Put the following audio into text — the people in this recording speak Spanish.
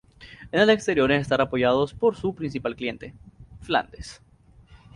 En el exterior están apoyados por su principal cliente: Flandes.